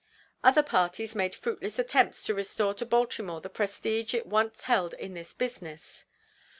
Other parties made fruitless attempts to restore to Baltimore the prestige it once held in this business.